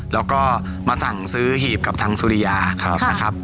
แล้วก็มาสั่งซื้อหีบกับทางสุริยานะครับ